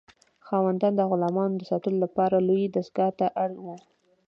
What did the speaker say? خاوندان د غلامانو د ساتلو لپاره لویې دستگاه ته اړ وو.